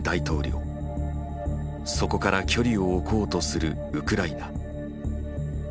そこから距離を置こうとするウクライナ。